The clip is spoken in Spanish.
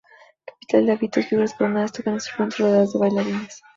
Capitel de David: dos figuras coronadas tocan instrumentos rodeadas de bailarines.